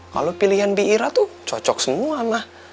kalau pilihan biira tuh cocok semua ma